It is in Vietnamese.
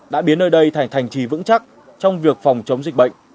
đã biến nơi đây thành thành trì vững chắc trong việc phòng chống dịch bệnh